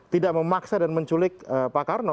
tidak memaksa dan menculik pak karno